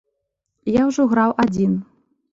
Я ўжо граў адзін.